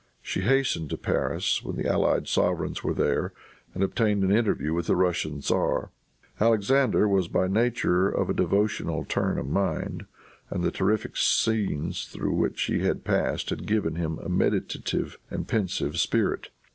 She hastened to Paris, when the allied sovereigns were there, and obtained an interview with the Russian tzar. Alexander was by nature of a devotional turn of mind, and the terrific scenes through which he had passed had given him a meditative and pensive spirit.